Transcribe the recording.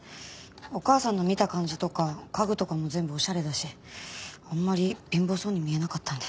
お母さんの見た感じとか家具とかも全部おしゃれだしあんまり貧乏そうに見えなかったので。